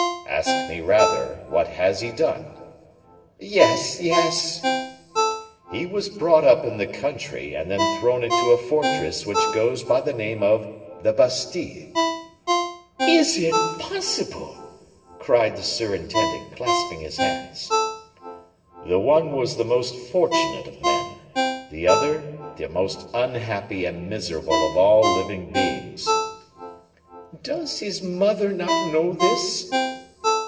"Ask me, rather, what has he done." "Yes, yes." "He was brought up in the country, and then thrown into a fortress which goes by the name of the Bastile." "Is it possible?" cried the surintendant, clasping his hands. "The one was the most fortunate of men: the other the most unhappy and miserable of all living beings." "Does his mother not know this?"